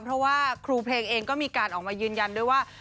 เพราะว่าครูเพลงเองก็มีการออกมายืนยันด้วยว่า